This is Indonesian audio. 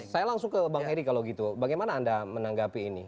saya langsung ke bang heri kalau gitu bagaimana anda menanggapi ini